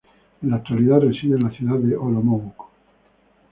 En la actualidad reside en la ciudad de Olomouc.